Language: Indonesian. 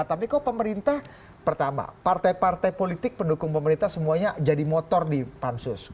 tapi kok pemerintah pertama partai partai politik pendukung pemerintah semuanya jadi motor di pansus